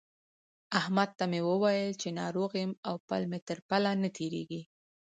احمد ته مې وويل چې ناروغ يم او پل مې تر پله نه تېرېږي.